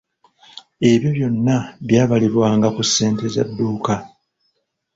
Ebyo byonna byabalirwanga ku ssente za dduuka.